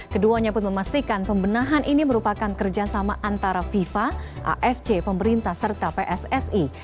keduanya pun memastikan pembenahan ini merupakan kerjasama antara fifa afc pemerintah serta pssi